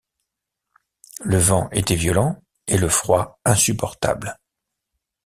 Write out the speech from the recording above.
Le vent était violent, et le froid insupportable.